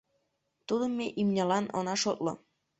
Тудым ме имньылан она шотло.